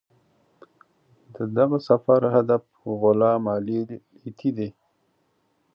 د دغه سفر هدف غلام علي لیتي دی.